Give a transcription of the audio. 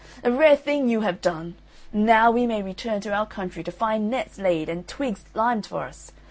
A rare thing you have done! And now we may return to our country to find nets laid and twigs limed for us!